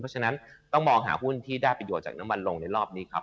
เพราะฉะนั้นต้องมองหาหุ้นที่ได้ประโยชน์จากน้ำมันลงในรอบนี้ครับ